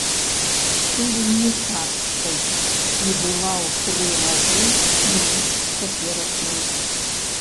Пыльныкарскай і была ў тры разы менш цяперашняй.